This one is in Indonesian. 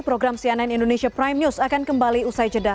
program cnn indonesia prime news akan kembali usai jeda